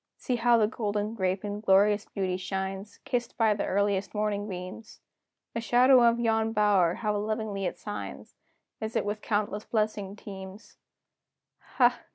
See how the golden grape in glorious beauty shines, Kissed by the earliest morning beams! The shadow of yon bower, how lovingly it signs, As it with countless blessings teams! Ha!